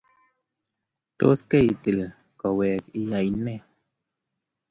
Tos keitil kowek iyae ne?